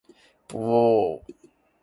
ぼぼぼぼぼお